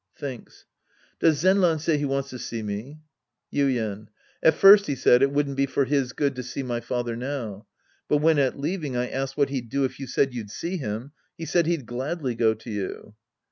{Thinks.) Does Zenran say he wants to see me ? Ytden. At first he said, " It wouldn't be for his good to see my father now." But when at leaving I asked what he'd do if you said you'd see him, he said he'd gladly go to you.